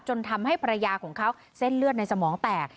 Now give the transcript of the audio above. ทำให้ภรรยาของเขาเส้นเลือดในสมองแตก